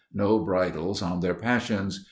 no bridles on their passions ...